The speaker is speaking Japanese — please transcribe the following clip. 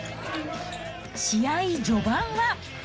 試合序盤は。